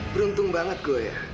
beruntung banget gue ya